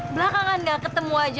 belakangan gak ketemu aja